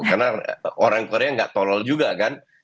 karena orang korea enggak tolol juga kan